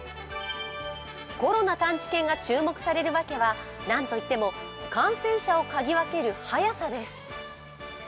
コロナ探知犬が注目されるわけはなんといっても感染者を嗅ぎ分ける早さです。